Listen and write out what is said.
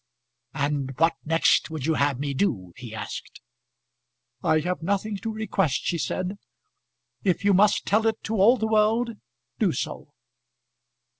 "And what next would you have me do?" he asked. "I have nothing to request," she said. "If you must tell it to all the world, do so."